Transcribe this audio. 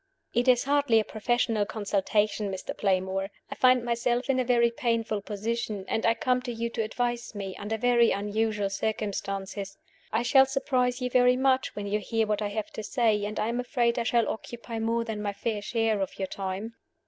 "It is hardly a professional consultation, Mr. Playmore. I find myself in a very painful position; and I come to you to advise me, under very unusual circumstances. I shall surprise you very much when you hear what I have to say; and I am afraid I shall occupy more than my fair share of your time."